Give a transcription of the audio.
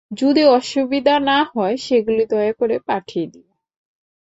যদি অসুবিধা না হয়, সেগুলি দয়া করে পাঠিয়ে দিও।